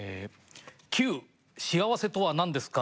「Ｑ幸せとは何ですか？